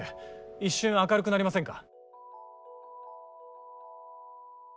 一瞬明るくなりませんか？